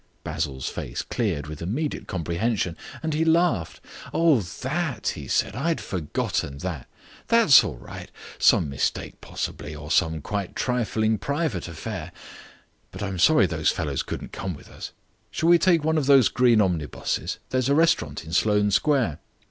Basil's face cleared with immediate comprehension, and he laughed. "Oh, that," he said. "I'd forgotten that. That's all right. Some mistake, possibly. Or some quite trifling private affair. But I'm sorry those fellows couldn't come with us. Shall we take one of these green omnibuses? There is a restaurant in Sloane Square."